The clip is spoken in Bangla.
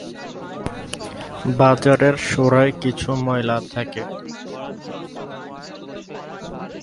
বাজারের সোরায় কিছু ময়লা থাকে।